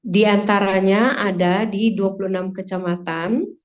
di antaranya ada di dua puluh enam kecamatan